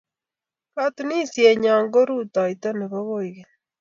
Katunisienyo ko rutoito ne bo koigeny